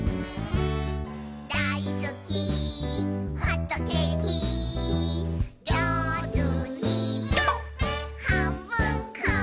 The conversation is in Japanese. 「だいすきホットケーキ」「じょうずにはんぶんこ！」